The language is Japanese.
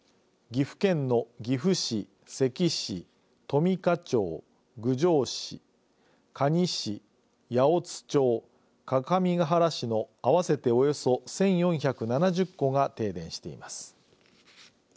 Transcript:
岐阜県の岐阜市、関市富加町、郡上市可児市、八百津町各務原市の合わせて、およそ１４７０戸が停電しています。